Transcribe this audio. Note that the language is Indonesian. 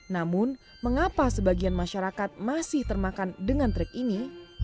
namun mengapa sebagian masyarakat masih termakan dengan trik ini